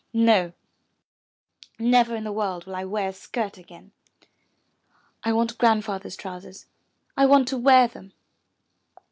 *'No, never in the world will I wear a skirt again. M Y B O O K HOUSE I want Grandfather's trousers. I want to wear them."